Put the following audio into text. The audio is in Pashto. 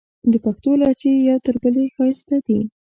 د پښتو لهجې یو تر بلې ښایستې دي.